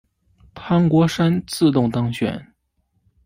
潘国山自动当选。